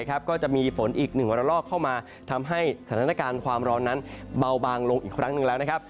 ก็จะมีฝนอีก๑ระลอกเข้ามาทำให้สถานการณ์ความร้อนนั้นเบาบางลงอีกครั้งหนึ่งแล้วนะครับ